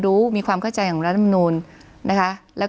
คุณปริณาค่ะหลังจากนี้จะเกิดอะไรขึ้นอีกได้บ้าง